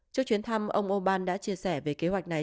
trước chuyến thăm ông orbán đã chia sẻ về kế hoạch này